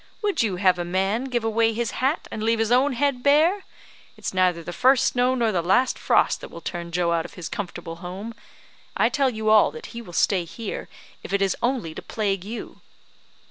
"Would you have a man give away his hat and leave his own head bare? It's neither the first snow nor the last frost that will turn Joe out of his comfortable home. I tell you all that he will stay here, if it is only to plague you."